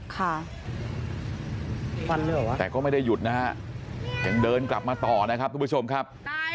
ค่ะแต่ก็ไม่ได้หยุดนะครับยังเดินกลับมาต่อนะครับทุกผู้ชมครับ